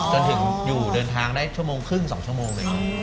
จนถึงอยู่เดินทางได้ชั่วโมงครึ่ง๒ชั่วโมงเลยครับ